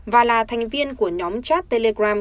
và là thành viên của nhóm chat telegram